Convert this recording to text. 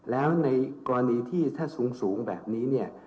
แล้วในกรณีที่ถ้าสูงแบบนี้เนี่ย